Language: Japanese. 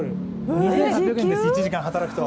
２８００円です、１時間働くと。